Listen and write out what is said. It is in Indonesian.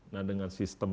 nah dengan sistem